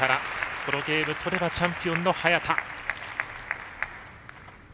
このゲーム取ればチャンピオンの早田。